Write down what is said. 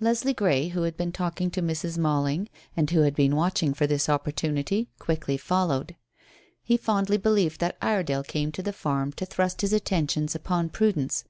Leslie Grey, who had been talking to Mrs. Malling, and who had been watching for this opportunity, quickly followed. He fondly believed that Iredale came to the farm to thrust his attentions upon Prudence.